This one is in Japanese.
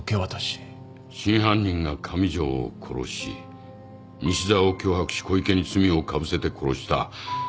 真犯人が上条を殺し西沢を脅迫し小池に罪をかぶせて殺した。